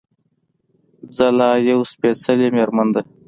ځلا يوه سپېڅلې مېرمن ده